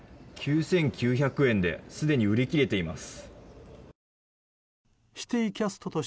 ９９００円ですでに売り切れています。